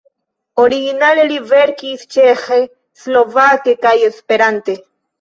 Originale li verkis ĉeĥe, slovake kaj esperante.